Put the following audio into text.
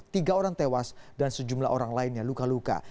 tiga orang tewas dan sejumlah orang lainnya luka luka